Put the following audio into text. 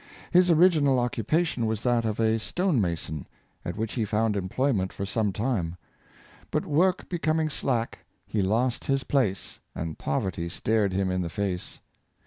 His original occupation was that of a stonemason, at which he found employment for some time ; but work becom ing slack, he lost his place, and poverty stared him in the face.